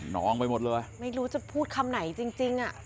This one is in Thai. น้องไปหมดเลยไม่รู้จะพูดคำไหนจริง